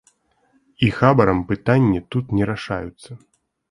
І хабарам пытанні тут не рашаюцца.